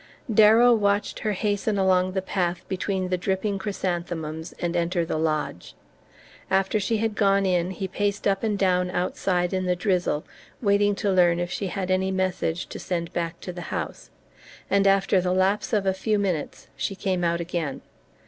Darrow watched her hasten along the path between the dripping chrysanthemums and enter the lodge. After she had gone in he paced up and down outside in the drizzle, waiting to learn if she had any message to send back to the house; and after the lapse of a few minutes she came out again.